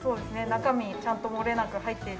中身ちゃんと漏れなく入っているか。